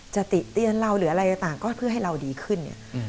ติเตียนเราหรืออะไรต่างก็เพื่อให้เราดีขึ้น